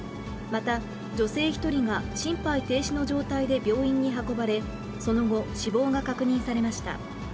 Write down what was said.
また、女性１人が心肺停止の状態で病院に運ばれ、その後、死亡が確認されました。